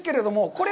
これ？